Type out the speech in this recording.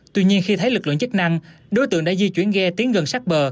tuy nhiên khi thấy lực lượng chức năng đối tượng đã di chuyển ghe tiến gần sát bờ